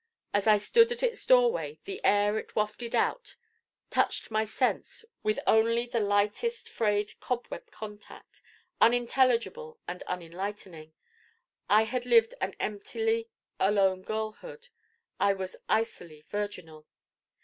As I stood at its doorway the air it wafted out touched my sense with only the lightest frayed cobweb contact, unintelligible and unenlightening. I had lived an emptily alone girlhood. I was icily virginal.